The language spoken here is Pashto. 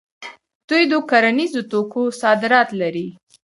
دوی د کرنیزو توکو صادرات لري.